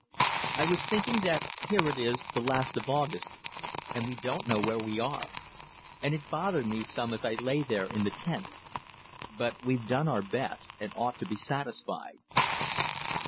I was thinking that here it is the last of August, and we don't know where we are; and it bothered me some as I lay there in the tent. But we've done our best and ought to be satisfied."